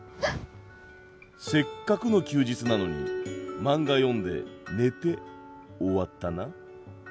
せっかくの休日なのに漫画読んで寝て終わったな。